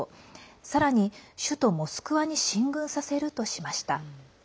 さらに首都モスクワに進軍させるとしました。